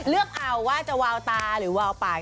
เลือกเอาว่าจะวาวตาหรือวาวปาก